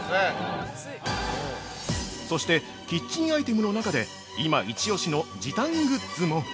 ◆そして、キッチンアイテムの中で、今、イチオシの時短グッズも！